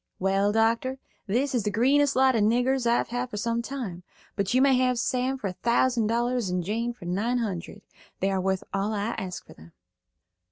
"Well, doctor, this is the greenest lot of niggers I've had for some time, but you may have Sam for a thousand dollars and Jane for nine hundred. They are worth all I ask for them."